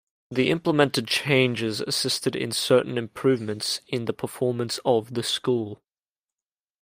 The implemented changes assisted in certain improvements in the performance of the school.